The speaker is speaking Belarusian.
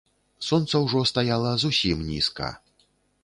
Сонца ўжо стаяла зусім нізка.